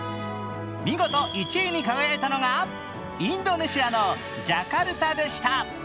見事１位に輝いたのがインドネシアのジャカルタでした。